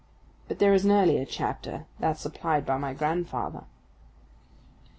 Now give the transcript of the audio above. But there is an earlier chapter that supplied by my grandfather.